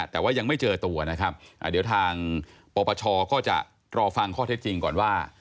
แต่ว่ายังไม่เจอตัวนะครับเดี๋ยวทางปปชก็จะรอฟังข้อเท็จจริงก่อนว่า